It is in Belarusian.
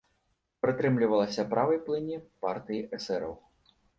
Прытрымлівалася правай плыні партыі эсэраў.